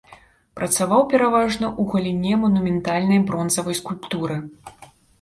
Працаваў пераважна ў галіне манументальнай бронзавай скульптуры.